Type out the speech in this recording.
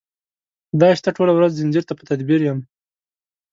خدای شته ټوله ورځ ځنځیر ته په تدبیر یم